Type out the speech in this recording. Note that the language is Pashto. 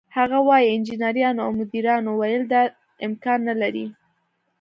هغه وايي: "انجنیرانو او مدیرانو ویل دا امکان نه لري،